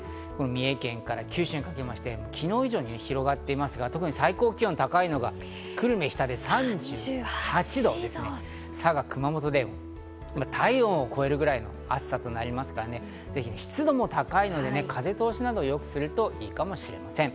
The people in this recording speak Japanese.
熱中症警戒アラートが三重県から九州にかけて昨日以上に広がっていますが、特に最高気温が高いのが久留米と日田で３８度、佐賀、熊本で体温を超えるぐらいの暑さ、湿度も高いので、風通しなどを良くすると良いかもしれません。